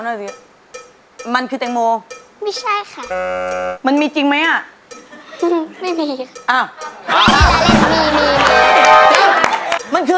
พวกเราช่วยกันที่เตรียมไปแน่